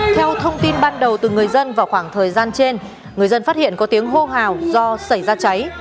theo thông tin ban đầu từ người dân vào khoảng thời gian trên người dân phát hiện có tiếng hô hào do xảy ra cháy